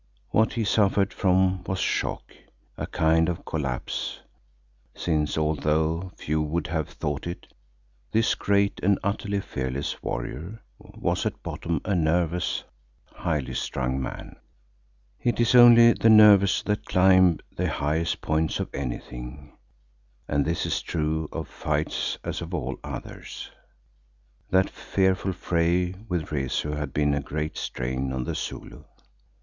What he suffered from was shock, a kind of collapse, since, although few would have thought it, this great and utterly fearless warrior was at bottom a nervous, highly strung man. It is only the nervous that climb the highest points of anything, and this is true of fights as of all others. That fearful fray with Rezu had been a great strain on the Zulu.